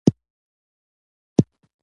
یو ناڅاپه سوه را ویښه له خوبونو